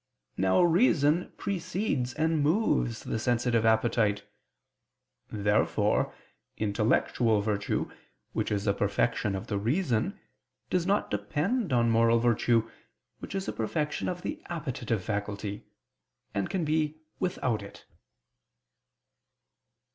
Now reason precedes and moves the sensitive appetite. Therefore intellectual virtue, which is a perfection of the reason, does not depend on moral virtue, which is a perfection of the appetitive faculty; and can be without it.